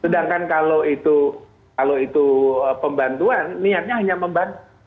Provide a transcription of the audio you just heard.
sedangkan kalau itu kalau itu pembantuan niatnya hanya membantu